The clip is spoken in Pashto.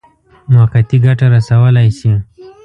موقتي ګټه رسولای شي.